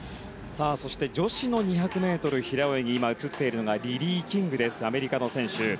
そして女子の２００ｍ平泳ぎ映っているのはリリー・キングアメリカの選手。